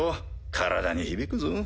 体に響くぞ。